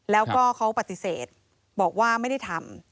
แล้วก็เขาปฏิเสธบอกว่าไม่ได้ทำ